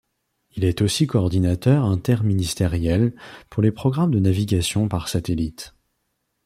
Il est aussi coordinateur interministériel pour les programmes de navigation par satellite.